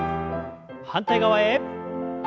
反対側へ。